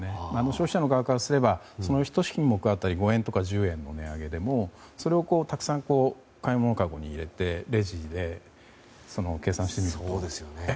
消費者の側からすれば１品目当たり５円とか１０円値上げでもそれをたくさん買い物かごに入れてレジで計算してみるとえ？